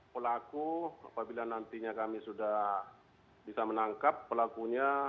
pelaku apabila nantinya kami sudah bisa menangkap pelakunya